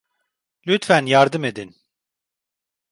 Lütfen yardım edin.